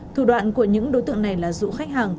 thủ đoạn của những đối tượng này là dụ khách hàng